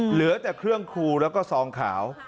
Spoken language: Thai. เหลือแต่เครื่องครูแล้วก็ซองขาว